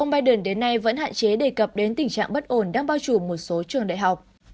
ông biden đến nay vẫn hạn chế đề cập đến tình trạng bất ổn đang bao trùm một số trường đại học